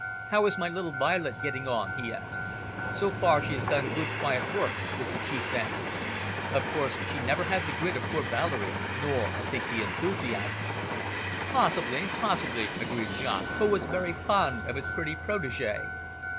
"How is my little Violet getting on?" he asked. "So far she has done good quiet work," was the chief's answer. "Of course, she never had the grit of poor Valerie, nor, I think, the enthusiasm." "Possibly, possibly," agreed Jaques, who was very fond of his pretty protegee.